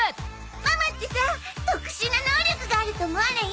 ママってさ特殊な能力があると思わない？